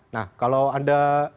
nah kalau anda